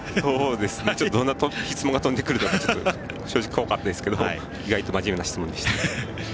どんな質問が飛んでくるか怖かったですけど意外と真面目な質問でした。